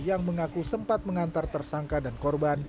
yang mengaku sempat mengantar tersangka dan korban